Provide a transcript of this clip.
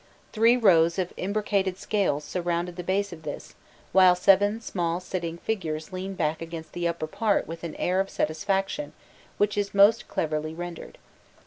Three rows of imbricated scales surrounded the base of this, while seven small sitting figures lean back against the upper part with an air of satisfaction which is most cleverly rendered.